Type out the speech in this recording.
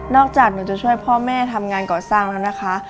จากหนูจะช่วยพ่อแม่ทำงานก่อสร้างแล้วนะคะ